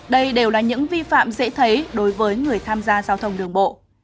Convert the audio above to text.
đây đều là những vi phạm dễ thấy đối với người tham gia giao thông đường bộ